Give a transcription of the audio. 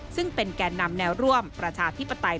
ซึ่งเป็นแก่นำแนวร่วมประชาธิปไตย